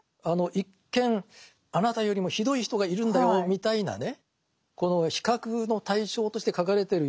一見あなたよりもひどい人がいるんだよみたいなね